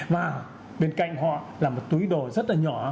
và bên cạnh họ là một túi đồ rất là nhỏ